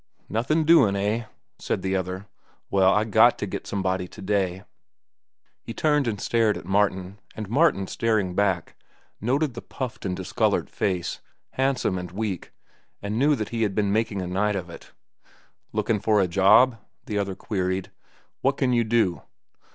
"Nothin' doin' eh?" said the other. "Well, I got to get somebody to day." He turned and stared at Martin, and Martin, staring back, noted the puffed and discolored face, handsome and weak, and knew that he had been making a night of it. "Lookin' for a job?" the other queried. "What can you do?"